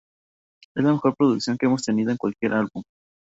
Es la mejor producción que hemos tenido de cualquier álbum.